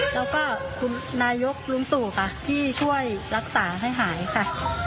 แล้วก็คุณนายกลุงตู่ค่ะที่ช่วยรักษาให้หายค่ะ